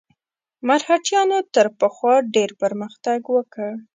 مرهټیانو تر پخوا ډېر پرمختګ وکړ.